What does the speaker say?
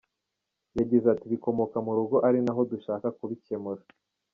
Yagize ati “Bikomoka mu Rugo ari naho dushaka kubikemura.